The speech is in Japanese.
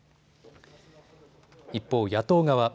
一方、野党側。